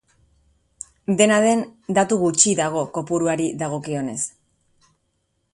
Dena den datu gutxi dago kopuruari dagokionez.